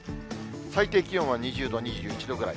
最低気温は２０度、２１度ぐらい。